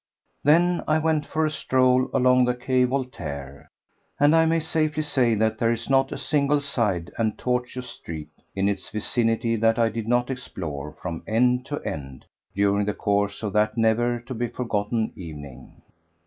—then I went for a stroll along the Quai Voltaire, and I may safely say that there is not a single side and tortuous street in its vicinity that I did not explore from end to end during the course of that never to be forgotten evening.